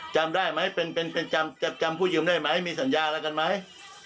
จำได้ไหมเป็นจำผู้ยืมได้ไหมมีสัญญาอะไรกันไหม